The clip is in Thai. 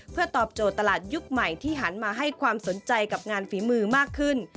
เพื่อตอบโจทย์ตลาดยุคใหม่ที่หันมาให้ความสนใจกับงานฝีมือมากขึ้น